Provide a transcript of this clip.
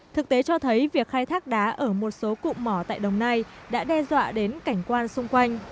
thực tế cho thấy việc khai thác đá ở một số cụm mỏ tại đồng nai đã đe dọa đến cảnh quan xung quanh